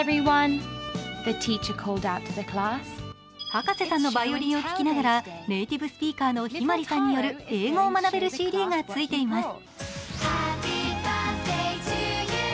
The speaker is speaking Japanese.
葉加瀬さんのヴァイオリンを聴きながらネイティブスピーカーの向日葵さんによる英語を学べるＣＤがついています。